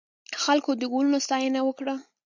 خلکو د ګلونو ستاینه وکړه.